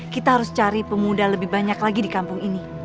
kita harus cari pemuda lebih banyak lagi di kampung ini